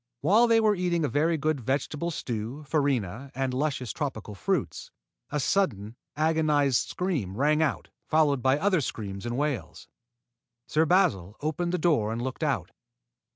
While they were eating a very good vegetable stew, farina, and luscious tropical fruits, a sudden, agonized scream rang out, followed by other screams and wails. Sir Basil opened the door and looked out.